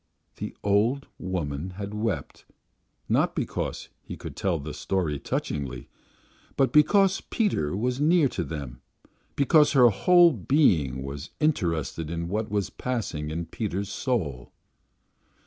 The old woman had wept, not because he could tell the story touchingly, but because Peter was near to her, because her whole being was interested in what was passing in Peter's soul.